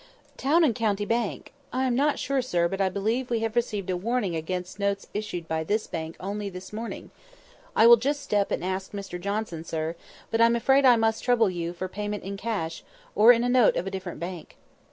"Town and County Bank! I am not sure, sir, but I believe we have received a warning against notes issued by this bank only this morning. I will just step and ask Mr Johnson, sir; but I'm afraid I must trouble you for payment in cash, or in a note of a different bank."